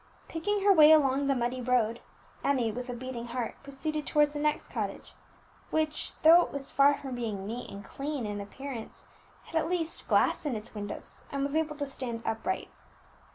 Picking her way along the muddy road, Emmie, with a beating heart, proceeded towards the next cottage, which, though it was far from being neat and clean in its appearance, had at least glass in its windows, and was able to stand upright.